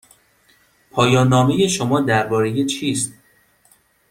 پایان نامه شما درباره چیست؟